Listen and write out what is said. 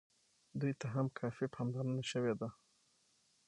دوی ته هم کافي پاملرنه شوې ده.